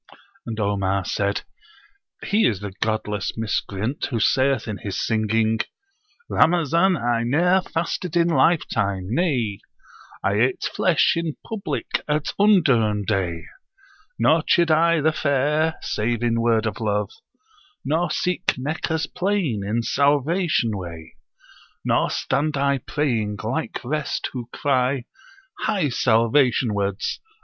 And Omar said, "He is the [godless] miscreant who saith in his singing: 'Ramazan I ne'er fasted in lifetime; nay I ate flesh in public at undurn day! Nor chid I the fair, save in word of love. Nor seek Meccah's plain in salvation way: Nor stand I praying, like rest, who cry, "Hie salvation wards!"